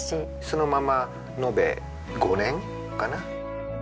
そのまま延べ５年かな？